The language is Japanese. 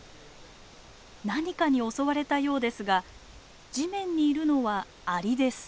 何かに襲われたようですが地面にいるのはアリです。